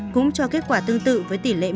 cũng cho kết quả tương tự với tỷ lệ